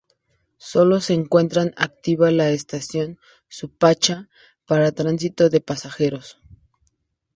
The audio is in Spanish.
Sólo se encuentran activa la estación Suipacha para tránsito de pasajeros.